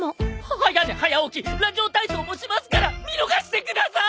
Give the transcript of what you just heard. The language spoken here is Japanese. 早寝早起きラジオ体操もしますから見逃してくださーい！